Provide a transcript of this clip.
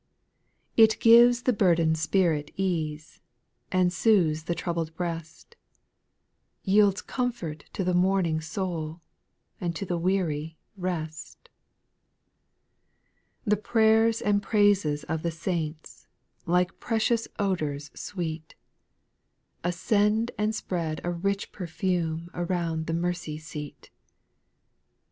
It gives the burdened spirit ease, And soothes the troubled breast, Yields comfort to the mourning soul, And to the weary rest. 3. The prayers and praises of the saints, Like precious odours sweet, Ascend and spread a rich perfume Around the mercy seat.